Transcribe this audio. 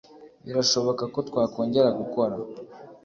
Birashoboka ko twakongera gukora